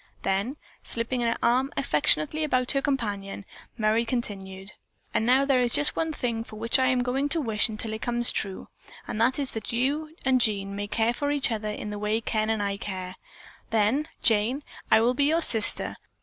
Then, slipping an arm affectionately about her companion, Merry continued: "And now there is just one thing for which I am going to wish until it comes true, and that is that you and Jean may care for each other in the way Ken and I care. Then, Jane, I will be your sister.